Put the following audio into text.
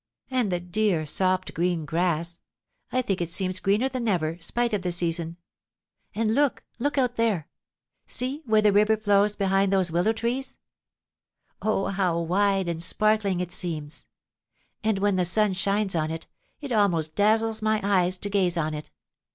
And the dear soft green grass, I think it seems greener than ever, spite of the season. And look look out there! See, where the river flows behind those willow trees! Oh, how wide and sparkling it seems; and, when the sun shines on it, it almost dazzles my eyes to gaze on it!